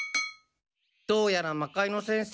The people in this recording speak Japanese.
どうやら魔界之先生